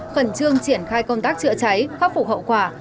khẩn trương triển khai công tác chữa cháy khắc phục hậu quả